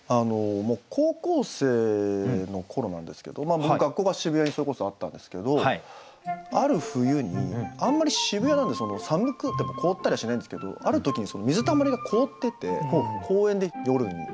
高校生の頃なんですけど僕学校が渋谷にそれこそあったんですけどある冬にあんまり渋谷なんで寒くても凍ったりはしないんですけどある時に水たまりが凍ってて公園で夜に。